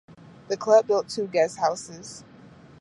The club built two guest houses.